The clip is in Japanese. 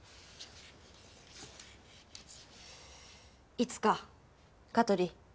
いつか香取。